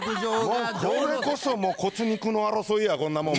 これこそもう骨肉の争いやこんなもん。